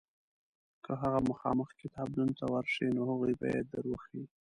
که هغه مخامخ کتابتون ته ورشې نو هغوی به یې در وښیي.